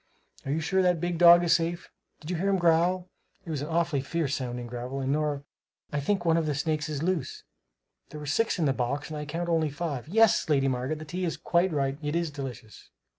Are you sure that big dog is safe? Did you hear him growl? It was an awfully fierce sounding growl! And, Nora, I think one of the snakes is loose. There were six in the box and I can count only five yes, Lady Margaret, the tea is quite right. It is delicious."